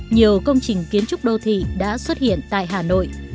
nhiều công trình kiến trúc đô thị đã xuất hiện tại hà nội